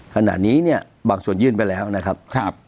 ขณะนี้เนี่ยบางส่วนยื่นไปแล้วนะครับ